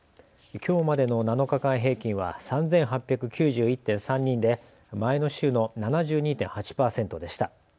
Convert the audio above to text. きょうまでの７日間平均は３８９１．３人で前の週の７２．８％でした。